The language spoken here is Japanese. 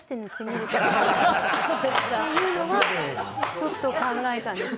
ちょっと考えたんです。